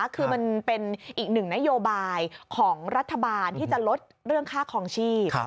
คือมันเป็นอีกหนึ่งนโยบายของรัฐบาลที่จะลดเรื่องค่าคลองชีพ